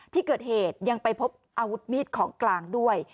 ที่เกิดเหตุยังไปพบอาวุธมีดของกลางด้วย